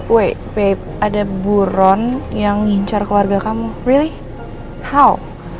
wait babe ada bu ron yang ngincar keluarga kamu really how